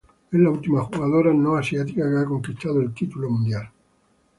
Es la última jugadora no asiática que ha conquistado el título mundial.